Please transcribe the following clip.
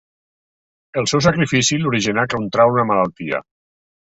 El seu sacrifici li origina contraure la malaltia.